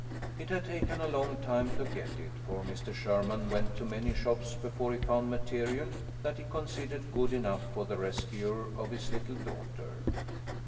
It had taken a long time to get it, for Mr. Sherman went to many shops before he found material that he considered good enough for the rescuer of his little daughter.